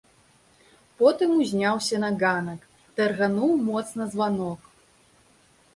Потым узняўся на ганак, таргануў моцна званок.